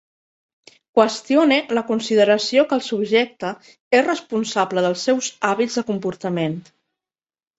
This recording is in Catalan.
Qüestione la consideració que el subjecte és responsable dels seus hàbits de comportament.